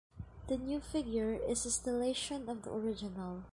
The new figure is a stellation of the original.